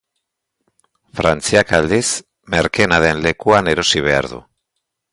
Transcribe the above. Frantziak aldiz merkeena den lekuan erosi behar du.